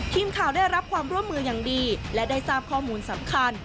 ทีมข่าวได้รับความร่วมมืออย่างดีและได้ทราบข้อมูลสำคัญ